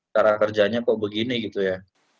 cara kerjanya kok begini gitu ya